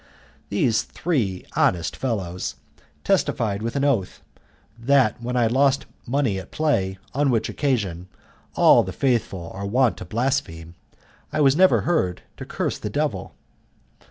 These three honest fellows testified with an oath that when I lost money at play, on which occasion all the faithful are wont to blaspheme, I was never heard to curse the devil.